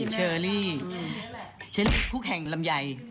เชอรี่พวกแข่งลำไย